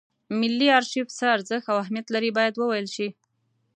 ملي ارشیف څه ارزښت او اهمیت لري باید وویل شي.